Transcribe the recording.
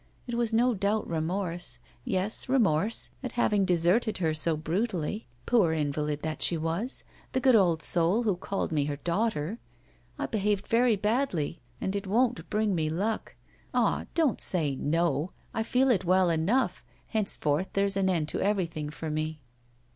It was no doubt remorse; yes, remorse at having deserted her so brutally, poor invalid that she was, the good old soul who called me her daughter! I behaved very badly, and it won't bring me luck. Ah! don't say "No," I feel it well enough; henceforth there's an end to everything for me.